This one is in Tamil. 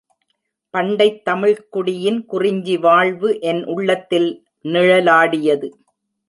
பண்டைத் தமிழ்க்குடியின் குறிஞ்சி வாழ்வு என் உள்ளத்தில் நிழலாடியது.